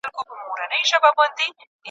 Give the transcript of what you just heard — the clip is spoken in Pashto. ایا د املا سمول د لارښود استاد اصلي دنده ده؟